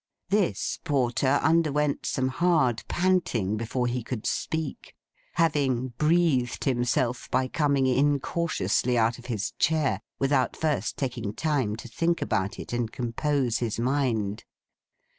This Porter underwent some hard panting before he could speak; having breathed himself by coming incautiously out of his chair, without first taking time to think about it and compose his mind.